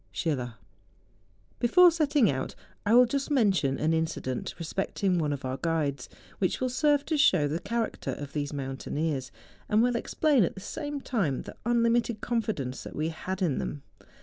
Schiller. Before setting* out, I will just mention an inci¬ dent respecting one of our guides, which will serve to show the character of tliese mountaineers, and will explain at the same time the unlimited confi¬ dence that we had in them.